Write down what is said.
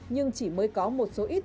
nhưng chỉ mới có một số ít